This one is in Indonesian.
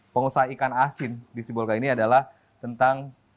pengusaha ikan asin di sibolga ini adalah tentang